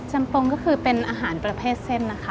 ปงก็คือเป็นอาหารประเภทเส้นนะคะ